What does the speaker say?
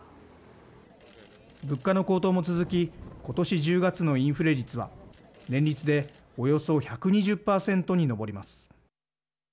物価の高騰も続き今年１０月のインフレ率は年率でおよそ１２０％に上ります。